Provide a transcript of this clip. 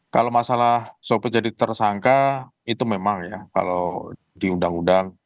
kalau masalah sopir jadi tersangka itu memang ya kalau di undang undang